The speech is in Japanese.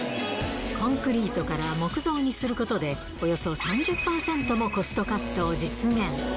コンクリートから木造にすることで、およそ３０％もコストカットを実現。